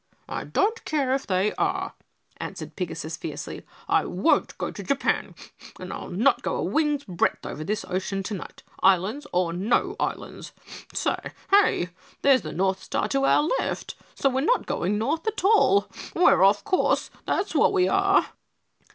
"I don't care if they are," answered Pigasus fiercely, "I won't go to Japan and I'll not go a wing's breadth over this ocean tonight, islands or no islands. Sa hay! There's the North Star to our left, so we're not going north at all. We're off our course, that's what we are!"